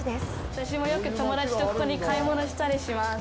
私もよく、友達とここに買い物したりします。